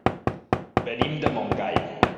Venim de Montgai.